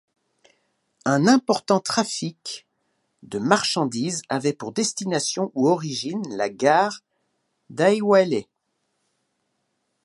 Un important trafic de marchandises avait pour destination ou origine la gare d'Aywaille.